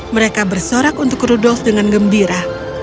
mereka bersorak untuk rudolf dengan gembira